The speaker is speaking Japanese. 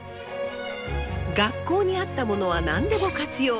学校にあったものは何でも活用。